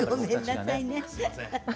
ごめんなさいね。